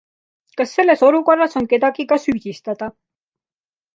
Kas selles olukorras on kedagi ka süüdistada?